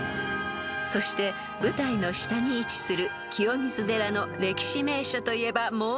［そして舞台の下に位置する清水寺の歴史名所といえばもう一つ］